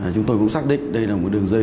chúng tôi cũng xác định đây là một đường dây